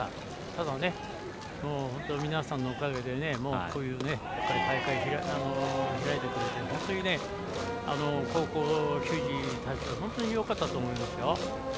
ただ、皆さんのおかげでこういう大会を開いてくれて本当に高校球児たちはよかったと思いますよ。